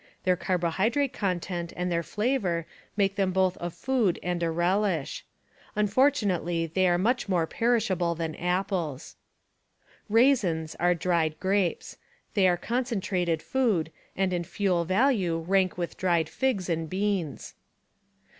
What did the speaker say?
Their carbohydrate content and their flavor make them both a food and a relish. Unfortunately, they are much more perishable than apples. Raisins are dried grapes. They are concentrated food and in fuel value rank with dried figs and beans.